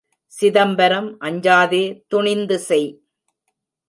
சிதம்பரம் அஞ்சாதே துணிந்து செய்.